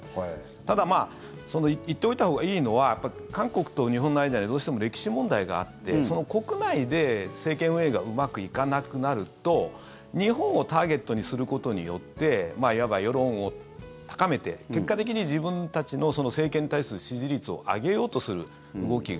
ただ言っておいたほうがいいのは韓国と日本の間にどうしても歴史問題があって国内で政権運営がうまくいかなくなると日本をターゲットにすることによっていわば世論を高めて結果的に自分たちの政権に対する支持率を上げようとする動きが。